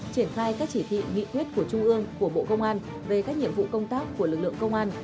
triển khai các chỉ thị nghị quyết của trung ương của bộ công an về các nhiệm vụ công tác của lực lượng công an